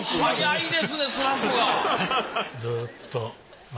ずっと。